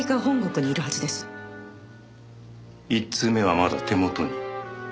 １通目はまだ手元に？